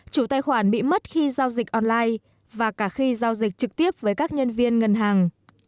chủ tài khoản bị mất khi giao dịch online và cả khi giao dịch trực tiếp với các nhân viên ngân hàng